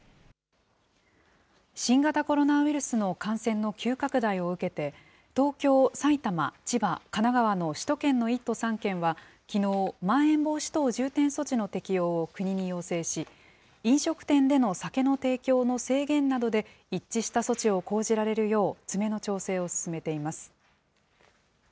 新型コロナウイルスの感染の急拡大を受けて、東京、埼玉、千葉、神奈川の首都圏の１都３県は、きのう、まん延防止等重点措置の適用を国に要請し、飲食店での酒の提供の制限などで一致した措置を講じられるよう、詰めの調整を進めています。